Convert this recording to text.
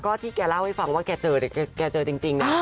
ก็ที่แกเล่าให้ฟังว่าแกเจอจริงนะ